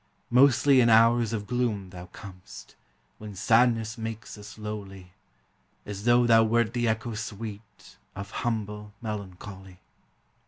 Mostly in hours of gloom thou com'st, When sadness makes us lowly, As though thou wert the echo sweet Of humble melancholy.